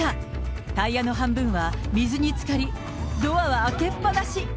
タイヤの半分は水につかり、ドアは開けっぱなし。